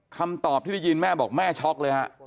คำตอบที่ได้ยินแม่บอกแม่ช็อกเลยฮะ